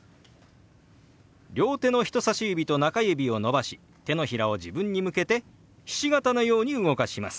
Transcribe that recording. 両手の人さし指と中指を伸ばし手のひらを自分に向けてひし形のように動かします。